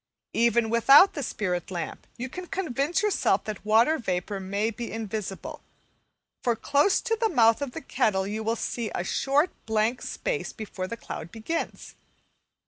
Even without the spirit lamp, you can convince yourself that water vapour may be invisible; for close to the mouth of the kettle you will see a short blank space before the cloud begins.